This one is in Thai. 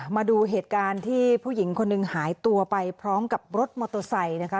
มาดูเหตุการณ์ที่ผู้หญิงคนหนึ่งหายตัวไปพร้อมกับรถมอเตอร์ไซค์นะคะ